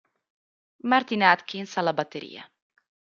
Martin Atkins alla batteria.